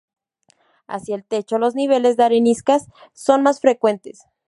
Hacia el techo los niveles de areniscas son más frecuentes.